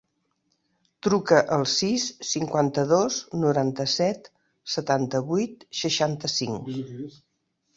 Truca al sis, cinquanta-dos, noranta-set, setanta-vuit, seixanta-cinc.